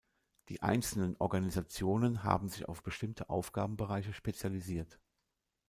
Die einzelnen Organisationen haben sich auf bestimmte Aufgabenbereiche spezialisiert.